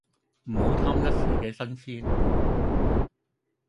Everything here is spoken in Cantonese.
唔好貪一時既新鮮